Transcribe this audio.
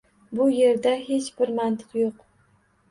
Bu yerda hech bir mantiq yo‘q.